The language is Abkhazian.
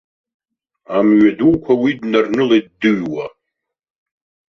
Амҩадуқәа уи днарнылеит дыҩуа.